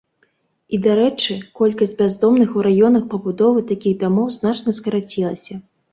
І, дарэчы, колькасць бяздомных у раёнах пабудовы такіх дамоў значна скарацілася.